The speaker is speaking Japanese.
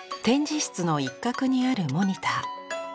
展示室の一角にあるモニター。